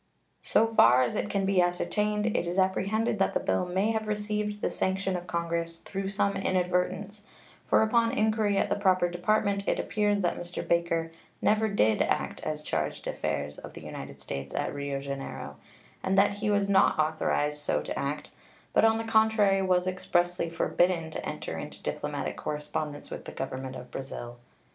So far as it can be ascertained it is apprehended that the bill may have received the sanction of Congress through some inadvertence, for upon inquiry at the proper Department it appears that Mr. Baker never did act as chargé d'affaires of the United States at Rio Janeiro, and that he was not authorized so to act, but, on the contrary, was expressly forbidden to enter into diplomatic correspondence with the Government of Brazil.